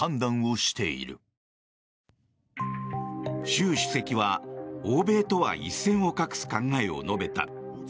習主席は、欧米とは一線を画す考えを述べた。